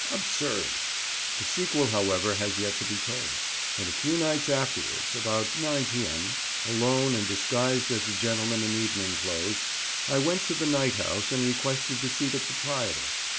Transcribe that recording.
Absurd! The sequel, however, has yet to be told; and a few nights afterwards, about 9 P.M., alone, and disguised as a gentleman in evening clothes, I went to the Night House and requested to see the proprietor.